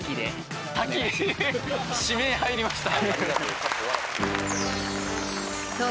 指名入りました。